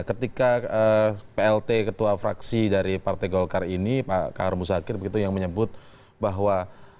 ketika plt ketua fraksi dari partai golkar ini pak kahar musakir begitu yang menyebut bahwa